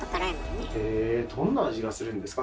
へえどんな味がするんですか？